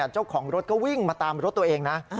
เจ้าของรถก็วิ่งมาตามรถตัวเองนะ